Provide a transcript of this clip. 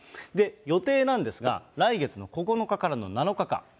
予定なんですが、来月の９日からの７日間。